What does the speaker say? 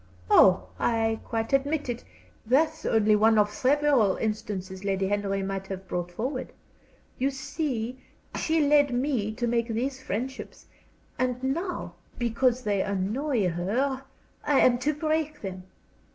"Oh, I quite admit it that's only one of several instances Lady Henry might have brought forward. You see, she led me to make these friendships; and now, because they annoy her, I am to break them.